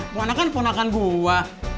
pengkulu kan keponakan gua